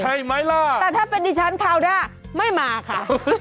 ใช่ไหมล่ะแต่ถ้าเป็นดิฉันคราวด้าไม่มาค่ะ